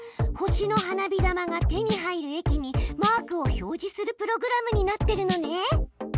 星の花火玉が手に入る駅にマークを表示するプログラムになってるのね！